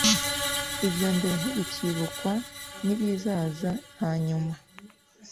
ibya mbere ntibicyibukwa n ibizaza hanyuma